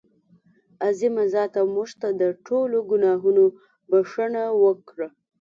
عظیمه ذاته مونږ ته د ټولو ګناهونو بښنه وکړه.